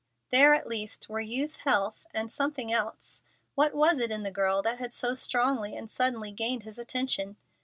There at least were youth, health, and something else what was it in the girl that had so strongly and suddenly gained his attention?